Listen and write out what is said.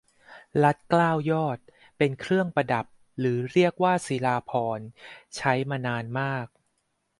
รัดเกล้ายอด เป็นเครื่องประดับ หรือเรียกว่าศิราภรณ์ ใช้มานานมาก